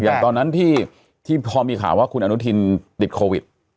อย่างตอนนั้นที่พอมีข่าวว่าคุณอนุทินติดโควิด